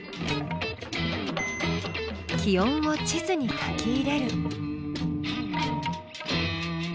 気温を地図に書き入れる。